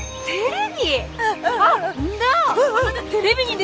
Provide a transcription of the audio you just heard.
テレビ？